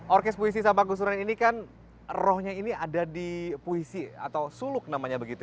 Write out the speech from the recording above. orkes puisi sapa gusuran ini kan rohnya ini ada di puisi atau suluk namanya begitu